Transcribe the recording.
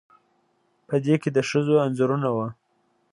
په دې کې د ښځو انځورونه وو